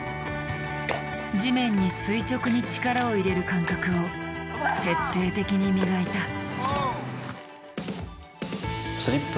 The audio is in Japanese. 地面に垂直に力を入れる感覚を徹底的に磨いた。